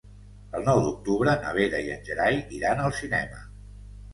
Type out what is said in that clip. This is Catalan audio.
El nou d'octubre na Vera i en Gerai iran al cinema.